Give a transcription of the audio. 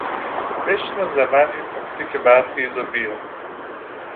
بشنو ز من این نکته که برخیز و بیا